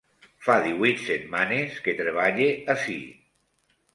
Fa díhuit setmanes que treballe ací.